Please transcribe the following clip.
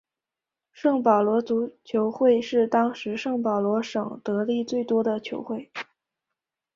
圣保罗足球会是当时圣保罗省得利最多的球会。